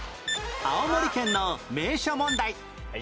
青森県の名所問題